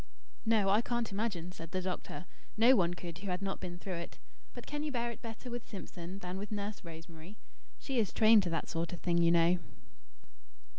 "No, I can't imagine," said the doctor. "No one could who had not been through it. But can you bear it better with Simpson than with Nurse Rosemary? She is trained to that sort of thing, you know."